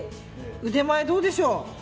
腕前、どうでしょう。